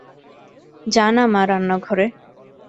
যা না মা রান্নাঘরে?